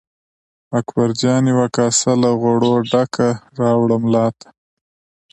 اکبرجان یوه کاسه له غوړو ډکه راوړه ملا ته.